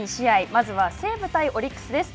まずは西武対オリックスです。